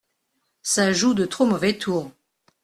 Ça joue de trop mauvais tours !